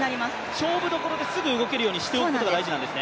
勝負どころですぐ動けるようにしておくことが大事なんです